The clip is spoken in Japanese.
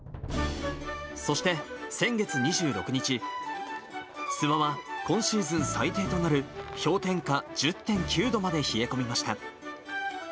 そして、先月２６日、諏訪は、今シーズン最低となる氷点下１０．９度まで冷え込みました。